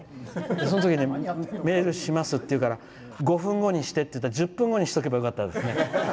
そのときにメールしますっていうから５分後にしてって送ったんだけど１０分後にしておけばよかったですね。